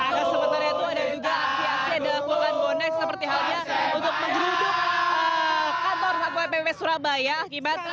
dan sementara itu ada juga aksi aksi dalam bulan bonek seperti halnya untuk menjerutup kantor satu pp surabaya